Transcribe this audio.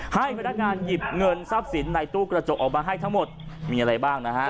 ให้พนักงานหยิบเงินทรัพย์สินในตู้กระจกออกมาให้ทั้งหมดมีอะไรบ้างนะฮะ